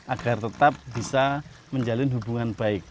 agar tetap bisa menjalin hubungan baik